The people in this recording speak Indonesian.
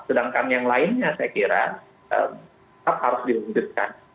sedangkan yang lainnya saya kira tetap harus diwujudkan